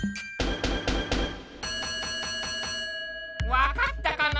わかったかな？